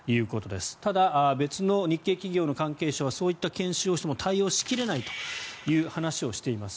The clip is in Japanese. ただ、別の日系企業の関係者はそういった研修をしても対応しきれないという話をしています。